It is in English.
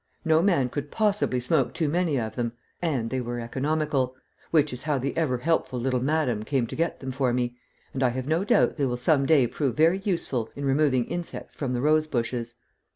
No man could possibly smoke too many of them, and they were economical, which is how the ever helpful little madame came to get them for me, and I have no doubt they will some day prove very useful in removing insects from the rose bushes.